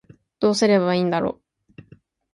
どうすればいいんだろう